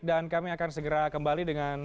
dan kami akan segera kembali dengan